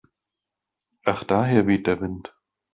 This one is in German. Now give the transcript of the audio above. Ach daher weht der Wind.